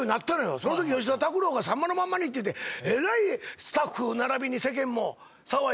そのとき吉田拓郎が『さんまのまんま』にってえらいスタッフならびに世間も騒いで。